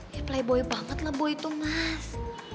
ya playboy banget lah boy itu mas